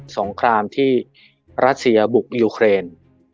งครามที่รัสเซียบุกยูเครน